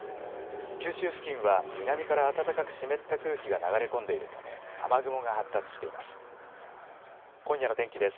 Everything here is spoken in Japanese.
九州付近は南から暖かく湿った空気が流れ込んでいるため雨雲が発達しています。